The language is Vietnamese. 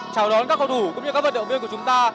chào đón các cầu thủ cũng như các vận động viên của chúng ta